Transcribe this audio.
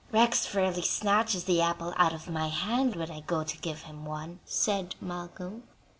"Rex fairly snatches the apple out of my hand when I go to give him one," said Malcolm.